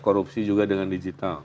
korupsi juga dengan digital